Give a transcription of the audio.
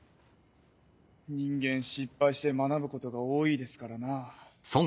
人間失敗して学ぶことが多いですからなぁ。